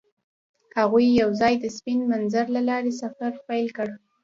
هغوی یوځای د سپین منظر له لارې سفر پیل کړ.